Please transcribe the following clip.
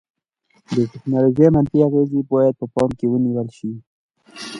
د ټیکنالوژي منفي اغیزې باید په پام کې ونیول شي.